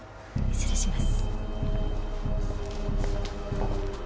失礼します。